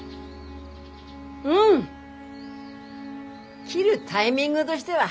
うん切るタイミングどしては